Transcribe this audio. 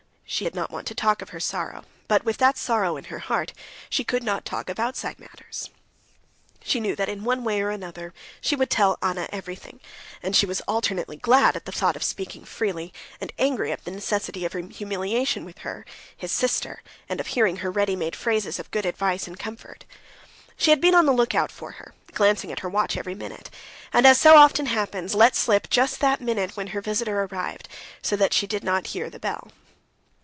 She did not want to talk of her sorrow, but with that sorrow in her heart she could not talk of outside matters. She knew that in one way or another she would tell Anna everything, and she was alternately glad at the thought of speaking freely, and angry at the necessity of speaking of her humiliation with her, his sister, and of hearing her ready made phrases of good advice and comfort. She had been on the lookout for her, glancing at her watch every minute, and, as so often happens, let slip just that minute when her visitor arrived, so that she did not hear the bell.